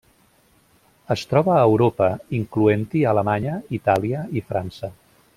Es troba a Europa, incloent-hi Alemanya, Itàlia i França.